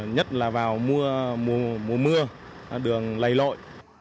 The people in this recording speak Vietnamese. nhất là vào mùa mưa đường lầy lội